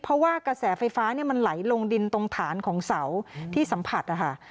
เพราะว่ากระแสไฟฟ้ามันไหลลงดินตรงฐานของเสาที่สัมผัสนะคะ